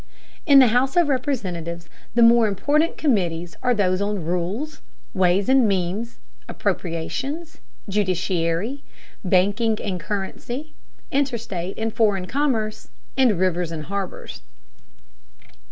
In the House of Representatives the more important committees are those on rules, ways and means, appropriations, judiciary, banking and currency, interstate and foreign commerce, and rivers and harbors.